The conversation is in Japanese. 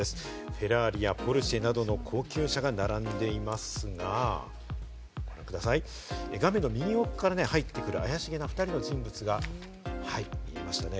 フェラーリやポルシェなどの高級車が並んでいますが、ご覧ください、画面の右奥から入ってくる怪しげな２人の人物がいましたね。